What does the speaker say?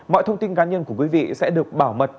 mọi thông tin cá nhân của quý vị sẽ được bảo mật